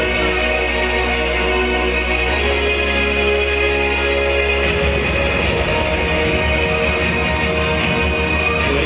เมื่อเวลาอันดับสุดท้ายมันกลายเป้าหมายเป้าหมาย